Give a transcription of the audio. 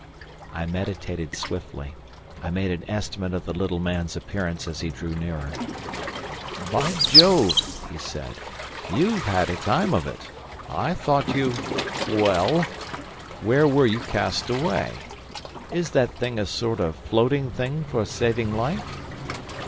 I meditated swiftly. I made an estimate of the little man's appearance as he drew nearer. "By Jove!" he said, "you've had a time of it! I thought you— Well— Where were you cast away? Is that thing a sort of floating thing for saving life?"